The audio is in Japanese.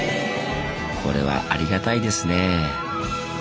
これはありがたいですね。